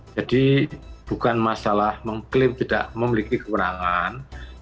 jadi bukan masalah mengklaim tidak memiliki kewenangan